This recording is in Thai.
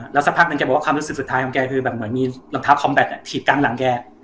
แล้วสักพักหนึ่งแกบอกว่าความรู้สึกสุดท้ายของแกคือแบบเหมือนมีรองเท้าคอมแบตถีบกลางหลังแก